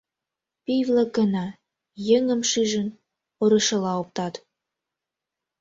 Пий-влак гына, еҥым шижын, орышыла оптат.